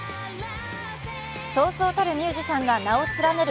そうそうたるミュージシャンが名を連ねる